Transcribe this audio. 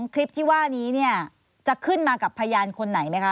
คลิปที่ว่านี้เนี่ยจะขึ้นมากับพยานคนไหนไหมคะ